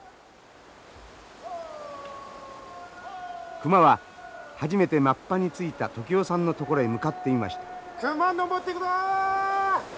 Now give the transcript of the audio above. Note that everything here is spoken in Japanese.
熊は初めてマッパについた時男さんのところへ向かっていました。